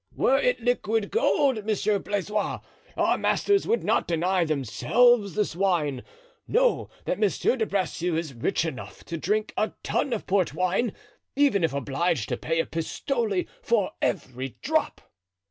"Were it liquid gold, Monsieur Blaisois, our masters would not deny themselves this wine. Know that Monsieur de Bracieux is rich enough to drink a tun of port wine, even if obliged to pay a pistole for every drop."